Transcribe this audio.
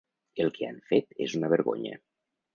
El que han fet és una vergonya.